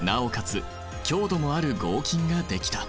強度もある合金ができた。